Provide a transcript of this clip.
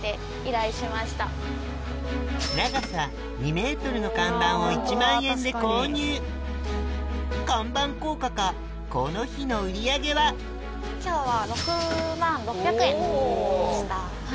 長さ２ｍの看板を１万円で購入看板効果かこの日の売り上げは今日は。